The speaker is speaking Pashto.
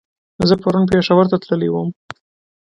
زه پرون پېښور ته تللی ووم